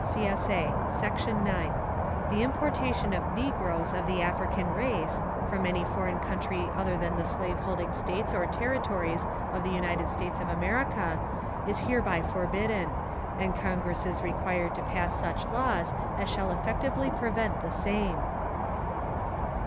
[CSA] Section 9. The importation of _negroes of the African race, from any foreign country other than the slave holding States or Territories of the United States of America, is hereby forbidden; and Congress is required to pass such laws as shall effectually prevent the same.